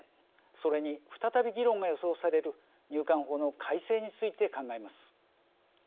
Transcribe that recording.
それに再び議論が予想される入管法の改正について考えます。